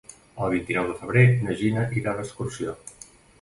El vint-i-nou de febrer na Gina irà d'excursió.